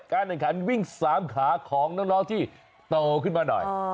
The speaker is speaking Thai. การแข่งขันวิ่ง๓ขาของน้องที่โตขึ้นมาหน่อย